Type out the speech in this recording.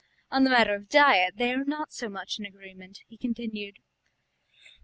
"On the matter of diet they are not so much in agreement," he continued.